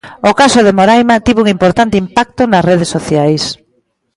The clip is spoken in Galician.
O caso de Moraima tivo un importante impacto nas redes sociais.